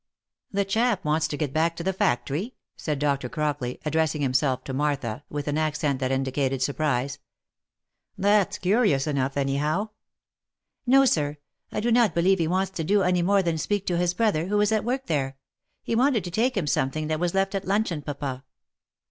" The chap want's to get back to the factory ?" said Dr. Crockley, addressing himself to Martha, with an accent that indicated surprise. " That's curious enough, any how." " No, sir, I do not believe he wants to do any more than speak to his brother, who is at work there — he wanted to take him something that was left at luncheon, papa."